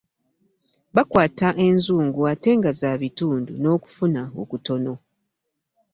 Bakwata enzungu ate nga za bitundu n'okufuna okutono.